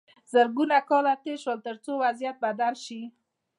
زرګونه کاله تیر شول تر څو وضعیت بدل شو.